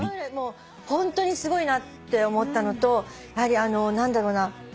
ホントにすごいなって思ったのと何だろうな。